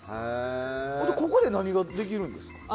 ここで何ができるんですか？